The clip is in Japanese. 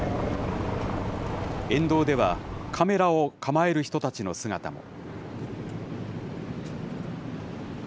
沿道ではカメラを構える人たちの姿も。